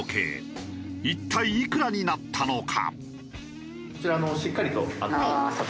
一体いくらになったのか？